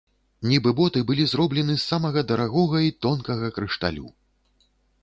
Нібы боты былі зроблены з самага дарагога і тонкага крышталю.